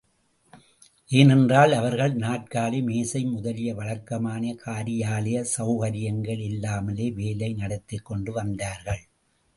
ஏனென்றால், அவர்கள் நாற்காலி, மேஜை முதலிய வழக்கமான காரியாலய செளகரியங்கள் இல்லாமலே வேலை நடத்திக் கொண்டு வந்தார்கள்.